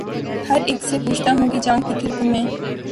ہر اک سے پوچھتا ہوں کہ ’’ جاؤں کدھر کو میں